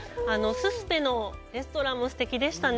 ススペのレストランもすてきでしたね。